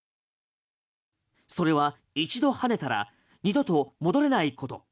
それは一度跳ねたら２度と戻れないこと。